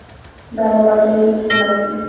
দাদা, বাজারে গিয়েছিলে নাকি?